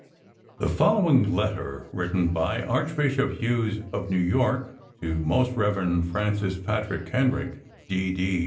The following letter, written by Archbishop Hughes, of New York, to Most Rev. Francis Patrick Kenrick, D. D.